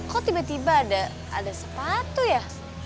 kok tiba tiba ada sepatu ya